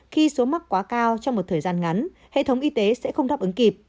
khi số mắc quá cao trong một thời gian ngắn hệ thống y tế sẽ không đáp ứng kịp